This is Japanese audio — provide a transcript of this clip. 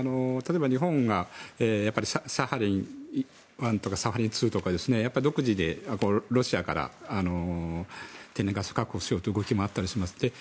例えば日本がサハリン１とかサハリン２とか独自でロシアから天然ガスを確保しようという動きもあります。